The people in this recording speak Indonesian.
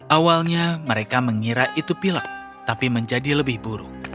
awalnya mereka mengira itu pilak tapi menjadi lebih buruk